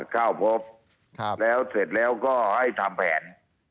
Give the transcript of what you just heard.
เข้าพบแล้วเสร็จแล้วก็ให้ทำแผน